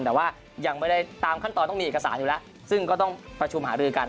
แต่ว่ายังไม่ได้ตามขั้นตอนต้องมีเอกสารอยู่แล้วซึ่งก็ต้องประชุมหารือกัน